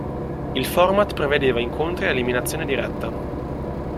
Il format prevedeva incontri a eliminazione diretta.